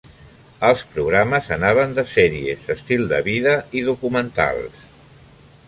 Els programes anaven de sèries, estil de vida i documentals.